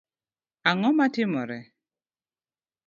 Ang’o matimore?